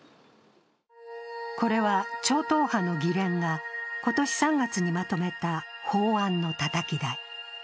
これは超党派の議連が今年３月にまとめた法案のたたき台。